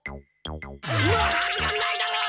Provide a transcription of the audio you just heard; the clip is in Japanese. のはずがないだろ！